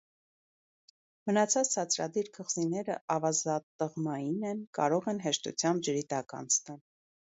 Մնացած ցածրադիր կղզիները ավազատղմային են, կարող են հեշտությամբ ջրի տակ անցնել։